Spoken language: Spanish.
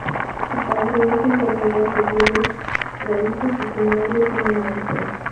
Su padre es un corredor de bienes raíces, y su madre es una maestra.